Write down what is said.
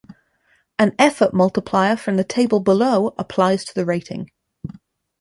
An effort multiplier from the table below applies to the rating.